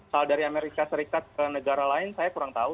kalau dari amerika serikat ke negara lain saya kurang tahu